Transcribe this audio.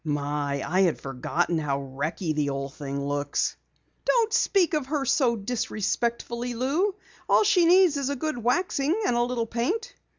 "My, I had forgotten how wrecky the old thing looks!" "Don't speak of her so disrespectfully, Lou. All she needs is a good waxing and a little paint."